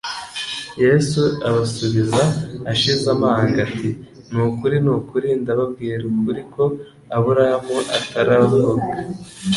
Yesu abasubiza ashize amanga ati : «Ni ukuri ni ukuri, ndababwira ukuri ko Aburahamu ataravuka,